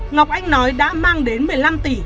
ngọc anh nói đã mang đến một mươi năm tỷ